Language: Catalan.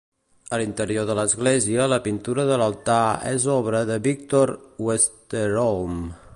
A l'interior de l'església, la pintura de l'altar és obra de Victor Westerholm.